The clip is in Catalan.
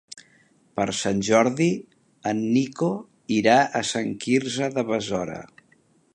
Per Sant Jordi en Nico irà a Sant Quirze de Besora.